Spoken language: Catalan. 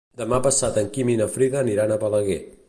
Demà passat en Guim i na Frida aniran a Balaguer.